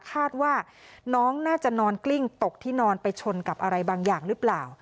คาดว่าน้องน่าจะนอนกลิ้งตกที่นอนไปชนกับอะไรบางอย่างหรือเปล่า